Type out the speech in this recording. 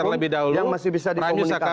kita harus bisa dikomunikasikan